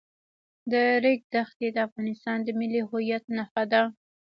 د ریګ دښتې د افغانستان د ملي هویت نښه ده.